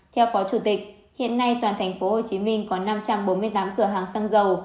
theo phó chủ tịch hiện nay toàn tp hcm có năm trăm bốn mươi tám cửa hàng xăng dầu